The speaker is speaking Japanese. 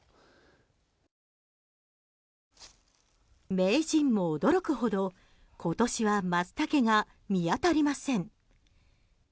名人も驚くほど今年はマツタケが見当たりません。